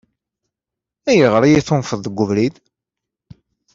Ayɣer i yi-tunfeḍ deg ubrid?